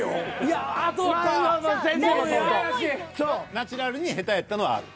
ナチュラルに下手やったのはある。